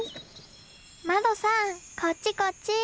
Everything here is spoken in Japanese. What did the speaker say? まどさんこっちこっち！